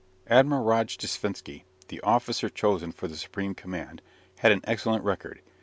Admiral Rojdestvensky, the officer chosen for the supreme command, had an excellent record.